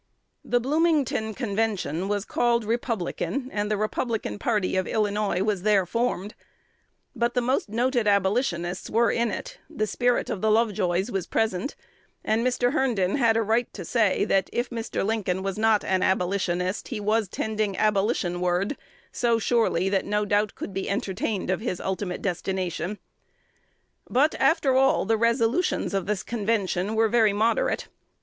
The Bloomington Convention was called "Republican," and the Republican party of Illinois was there formed: but the most noted Abolitionists were in it, the spirit of the Lovejoys was present; and Mr. Herndon had a right to say, that, if Mr. Lincoln was not an Abolitionist, he was tending "Abolition ward" so surely that no doubt could be entertained of his ultimate destination. But, after all, the resolutions of the convention were very "moderate."